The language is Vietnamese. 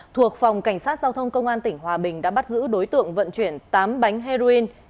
thuộc phòng cảnh sát giao thông công an tỉnh hòa bình đã bắt giữ đối tượng vận chuyển tám bánh heroin